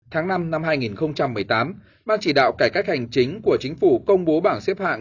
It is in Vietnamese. tháng năm năm hai nghìn một mươi tám ban chỉ đạo cải cách hành chính của chính phủ công bố bảng xếp hạng